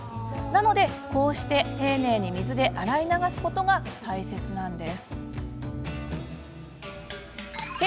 なので、こうして丁寧に水で洗い流すことが大切なんです。